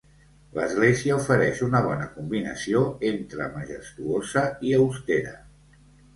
L’església ofereix una bona combinació entre majestuosa i austera.